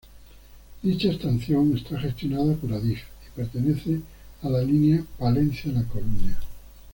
Dicha estación está gestionada por Adif, y pertenece a la línea Palencia-La Coruña.